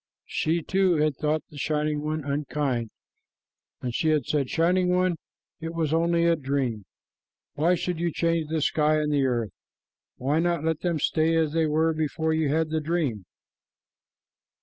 She, too, had thought the Shining One unkind, and she had said, "Shining One, it was only a dream. Why should you change the sky and the earth? Why not let them stay as they were before you had the dream?"